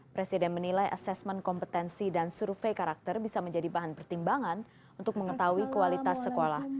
presiden menilai asesmen kompetensi dan survei karakter bisa menjadi bahan pertimbangan untuk mengetahui kualitas sekolah